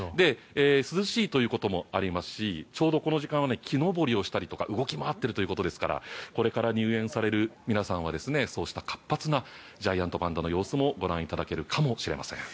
涼しいということもありますしちょうどこの時間は木登りをしたりとか動き回っているということですからこれから入園される皆さんはそうした活発なジャイアントパンダの様子もご覧いただけるかもしれません。